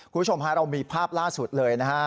คุณผู้ชมฮะเรามีภาพล่าสุดเลยนะฮะ